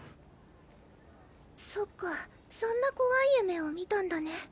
そっかそんなこわい夢を見たんだね